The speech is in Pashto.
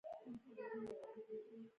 سناتورانو له بډایو ولایتونو شتمني ترلاسه کوله